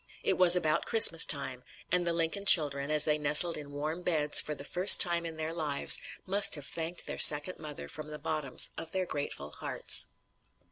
It was about Christmas time, and the Lincoln children, as they nestled in warm beds for the first time in their lives, must have thanked their second mother from the bottoms of their grateful hearts.